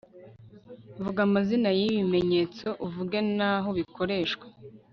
vuga amazina y'ibi bimenyetso uvuge n'ahobikoreshwa